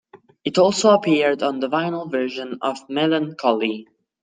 It also appeared on the vinyl version of "Mellon Collie".